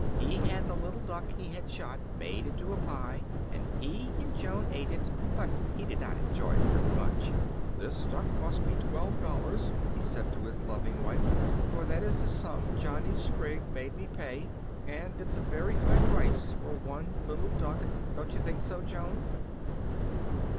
He had the little duck he had shot made into a pie, and he and Joan ate it; but he did not enjoy it very much. "This duck cost me twelve dollars," he said to his loving wife, "for that is the sum Johnny Sprigg made me pay; and it's a very high price for one little duck don't you think so, Joan?"